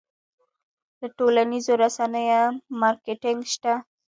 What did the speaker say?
د ټولنیزو رسنیو مارکیټینګ شته؟